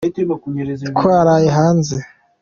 twaraye hanze.